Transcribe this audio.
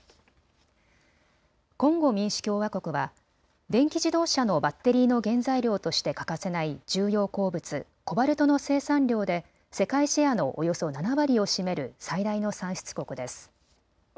コンゴ民主共和国は電気自動車のバッテリーの原材料として欠かせない重要鉱物、コバルトの生産量で世界シェアのおよそ７割を占める最大の産出国です。